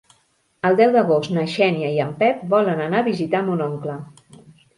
El deu d'agost na Xènia i en Pep volen anar a visitar mon oncle.